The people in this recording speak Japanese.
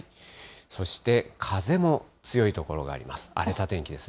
そして風も強い所があります。